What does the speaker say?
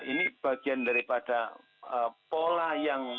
ini bagian daripada pola yang